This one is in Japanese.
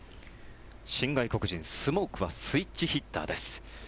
新外国人、スモークはスイッチヒッターです。